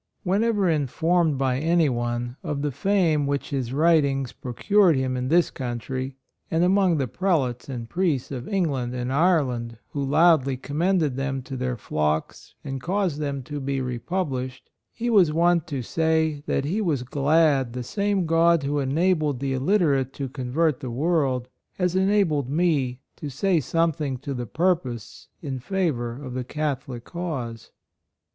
Whenever informed by any one of the fame which his writings pro 104 PERSONAL RELIGION, cured him in this country, and among the Prelates and Priests of England and Ireland who loudly commended them to their flocks and caused them to be republished, he was wont to say, " that he was glad the same God who enabled the illiterate to convert the world, has enabled me to say something to the purpose in favor of the Cath olic cause."